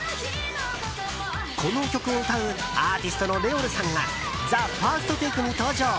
この曲を歌うアーティストのＲｅｏｌさんが「ＴＨＥＦＩＲＳＴＴＡＫＥ」に登場。